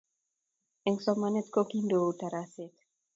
Eng' somanet ko koindou taraset.